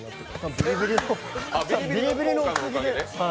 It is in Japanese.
ビリビリのおかげで。